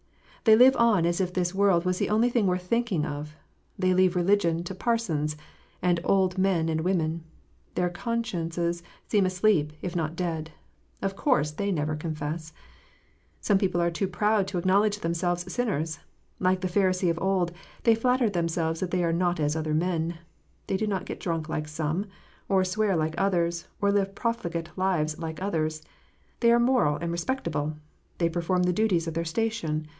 They live on as if this world was the only thing worth thinking of. They leave religion to parsons, and old men and women. Their consciences seem asleep, if not dead. Of course they never confess ! Some people are too proud to acknowledge themselves sinners. Like the Pharisee of old, they natter themselves they are "not as other men." They do not get drunk like some, or swear like others, or live profligate lives like others. They are moral and respectable ! They perform the duties of their station